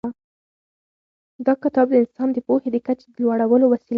دا کتاب د انسان د پوهې د کچې د لوړولو وسیله ده.